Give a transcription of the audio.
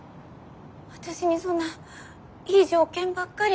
私にそんないい条件ばっかり。